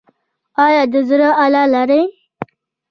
ایا د زړه آله لرئ؟